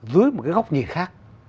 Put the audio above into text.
dưới một cái góc nhìn khác